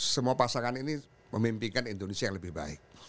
semua pasangan ini memimpinkan indonesia yang lebih baik